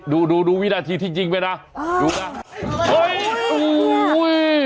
นี่ดูวินาทีที่ยิงมั้ยนะดูค่ะโอ๊ยอู้ย